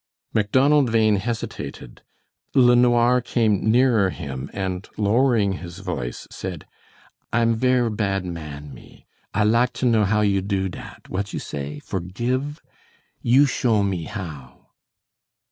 Macdonald Bhain hesitated. LeNoir came nearer him and lowering his voice said: "I'm ver' bad man me. I lak to know how you do dat what you say forgive. You show me how."